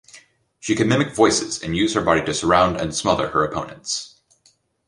She can mimic voices and use her body to surround and smother her opponents.